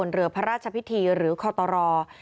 ในเวลาเดิมคือ๑๕นาทีครับ